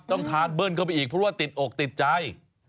ต้องทานเบิ้ลเข้าไปอีกเพราะว่าติดอกติดใจ